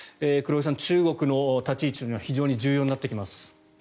黒井さん、中国の立ち位置は非常に重要になってきます。